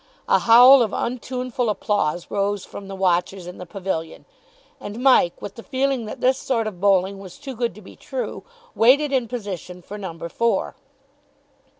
A howl of untuneful applause rose from the watchers in the pavilion, and Mike, with the feeling that this sort of bowling was too good to be true, waited in position for number four.